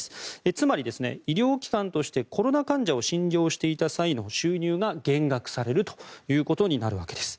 つまり、医療機関としてコロナ患者を診療していた際の収入が減額されるということになるわけです。